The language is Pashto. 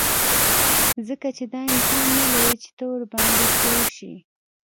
ځکه چې دا امکان نلري چې ته ورباندې پوه شې